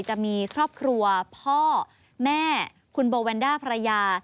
จะมีครอบครัวพ่อแม่คุณโบแวนด้าภรรยา